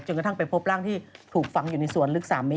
กระทั่งไปพบร่างที่ถูกฝังอยู่ในสวนลึก๓เมตร